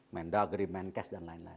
menda agrimen kes dan lain lain